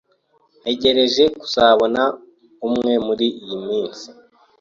Ntegereje kuzakubona umwe muriyi minsi.